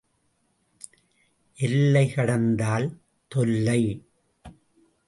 எல்லை கடந்தால் தொல்லை.